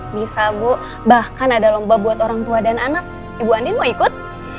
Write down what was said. bisa bu bahkan ada lomba buat orang tua dan anak ibu andin mau ikut